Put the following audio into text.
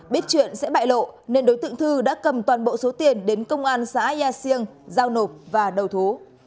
biết chuyện sẽ bại lộ nên đối tượng thư đã cầm toàn bộ số tiền đến công an xã yà siêng giao nộp và đầu thú